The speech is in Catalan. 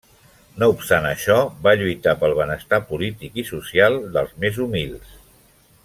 No obstant això, va lluitar pel benestar polític i social dels més humils.